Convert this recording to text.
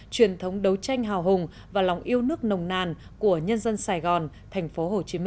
truyền thống đấu tranh hào hùng và lòng yêu nước nồng nàn của nhân dân sài gòn tp hcm